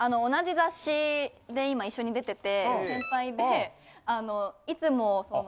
同じ雑誌で今一緒に出てて先輩でいつも。